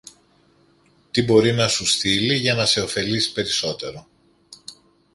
τι μπορεί να σου στείλει, για να σε ωφελήσει περισσότερο.